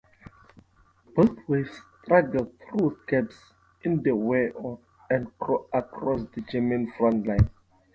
Both waves struggled through gaps in the wire and across the German front line.